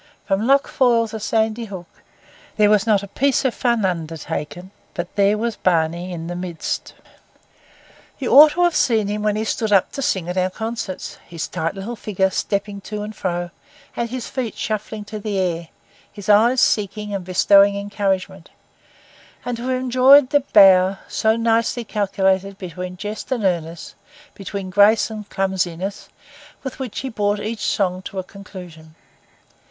From Loch Foyle to Sandy Hook, there was not a piece of fun undertaken but there was Barney in the midst. You ought to have seen him when he stood up to sing at our concerts—his tight little figure stepping to and fro, and his feet shuffling to the air, his eyes seeking and bestowing encouragement—and to have enjoyed the bow, so nicely calculated between jest and earnest, between grace and clumsiness, with which he brought each song to a conclusion.